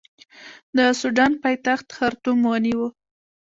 د سوډان پایتخت خرطوم ونیو.